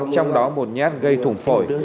trong đó một nhát gây thủng phổi